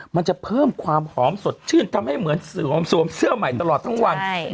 มันจะเพิ่มความหอมสดชื่นทำให้เหมือนหอมสวมเสื้อใหม่ตลอดทั้งวัน